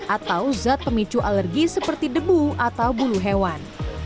atau zat pemicu alergi seperti debu atau bulu hewan